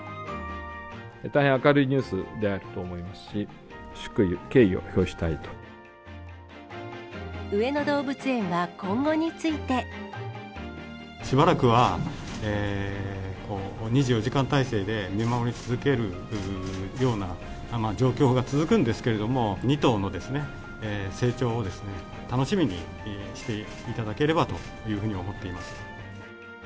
大変明るいニュースであると思いますし、上野動物園は今後について。しばらくは２４時間態勢で見守り続けるような状況が続くんですけれども、２頭の成長を楽しみにしていただければというふうに思っています。